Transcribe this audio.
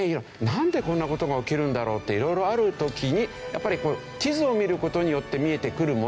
なんでこんな事が起きるんだろうって色々ある時にやっぱり地図を見る事によって見えてくるものもあるわけですね。